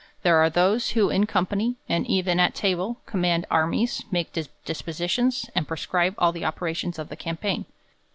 There are those, who in company, and even at table, com mand armies, make dispositions, and prescribe all the operations of the campaign.